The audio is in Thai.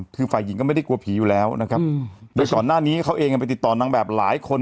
คือฝ่ายหญิงก็ไม่ได้กลัวผีอยู่แล้วนะครับโดยก่อนหน้านี้เขาเองไปติดต่อนางแบบหลายคน